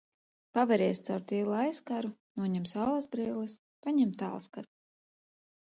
Paveries caur tilla aizkaru, noņem saulesbrilles, paņem tālskati.